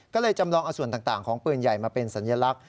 ก็เลยจำลองเอาส่วนต่างของปืนใหญ่มาเป็นสัญลักษณ